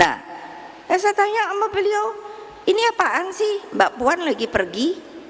saya tanya sama beliau ini apaan sih mbak puan lagi pergi